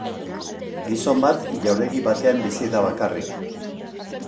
Gizon bat jauregi batean bizi da bakarrik.